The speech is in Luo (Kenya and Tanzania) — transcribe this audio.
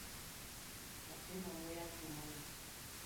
Nyathino muya rumone